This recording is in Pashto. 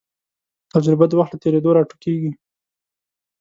تجربه د وخت له تېرېدو راټوکېږي.